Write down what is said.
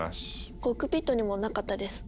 コックピットにもなかったです。